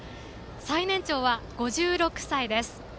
最年長は５６歳です。